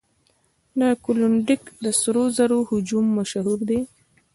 د کلونډیک د سرو زرو هجوم مشهور دی.